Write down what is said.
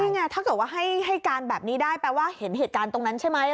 นี่ไงถ้าเกิดว่าให้การแบบนี้ได้แปลว่าเห็นเหตุการณ์ตรงนั้นใช่ไหม